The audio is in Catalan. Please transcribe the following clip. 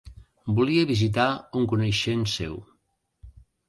Volia visitar un coneixent seu.